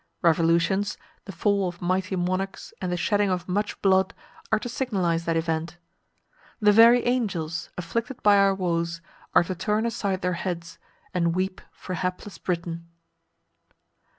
Revolutions the fall of mighty monarchs, and the shedding of much blood are to signalise that event. The very angels, afflicted by our woes, are to turn aside their heads, and weep for hapless Britain.